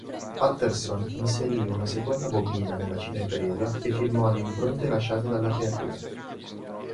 Patterson inserì una seconda bobina nella cinepresa e filmò le impronte lasciate dalla creatura.